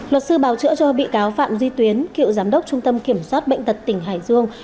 luật sư bào chữa cho bị cáo phạm duy tuyến cựu giám đốc trung tâm kiểm soát bệnh tật tỉnh hải dương